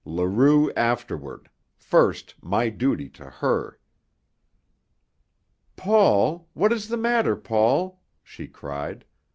Leroux afterward first my duty to her! "Paul! What is the matter, Paul?" she cried.